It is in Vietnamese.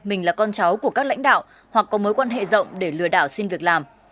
mình là con cháu của các lãnh đạo hoặc có mối quan hệ rộng để lừa đảo xin việc làm